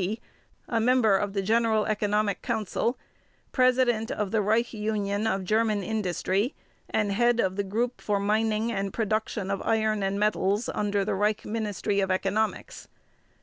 G., a member of the General Economic Council, President of the Reich Union of German Industry, and head of the Group for Mining and Production of Iron and Metals under the Reich Ministry of Economics.